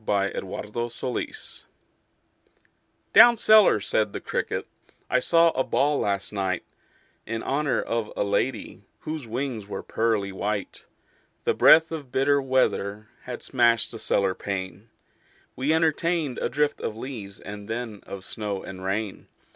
The Potato's Dance "Down cellar," said the cricket, "I saw a ball last night In honor of a lady Whose wings were pearly white. The breath of bitter weather Had smashed the cellar pane: We entertained a drift of leaves And then of snow and rain.